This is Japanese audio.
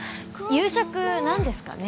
夕食何ですかね